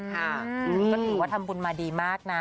ก็ถือว่าทำบุญมาดีมากนะ